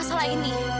jangan masalah ini